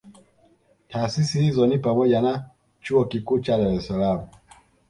Taasisi hizo ni pamoja na Chuo Kikuu cha Dar es salaam